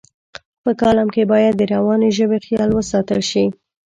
په کالم کې باید د روانې ژبې خیال وساتل شي.